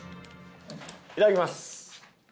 いただきます。